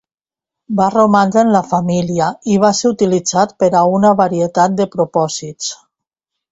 Va romandre en la família i va ser utilitzat per a una varietat de propòsits.